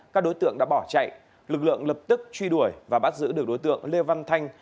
các đối tượng đã bỏ chạy lực lượng lập tức truy đuổi và bắt giữ được đối tượng lê văn thanh